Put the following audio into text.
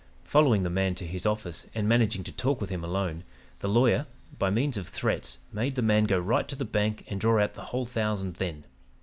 Following the man to his office and managing to talk with him alone, the lawyer, by means of threats, made the man go right to the bank and draw out the whole thousand then.